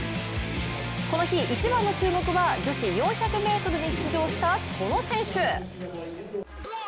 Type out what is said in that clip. この日、一番の注目は女子４００ｍに出場したこの選手。